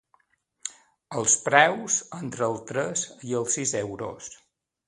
Els preus, entre els tres i el sis euros.